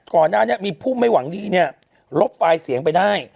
ก่อนหน้านี้มีผู้ไม่หวังดีเนี่ยลบไฟล์เสียงไปได้